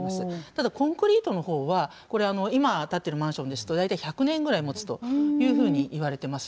ただコンクリートの方はこれ今建ってるマンションですと大体１００年ぐらいもつというふうにいわれてます。